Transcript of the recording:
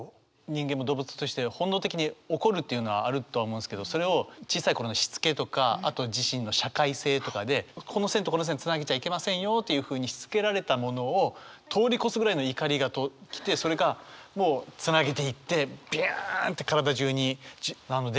人間も動物として本能的に怒るというのはあるとは思うんですけどそれを小さい頃のしつけとかあとは自身の社会性とかでこの線とこの線をつなげちゃいけませんよというふうにしつけられたものを通り越すぐらいの怒りが来てそれがもうつなげていってびゅんって体じゅうに電気が走っていくっていうのは